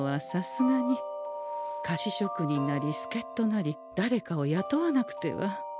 菓子職人なりすけっとなりだれかをやとわなくては。